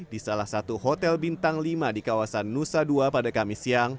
di salah satu hotel bintang lima di kawasan nusa dua pada kamis siang